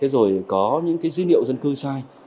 rồi có những dữ liệu dân cư sai